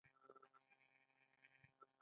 ځینې خلک د خوږو څخه ډډه کوي.